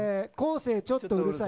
生、ちょっとうるさい。